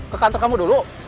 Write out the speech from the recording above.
ke kantor kamu dulu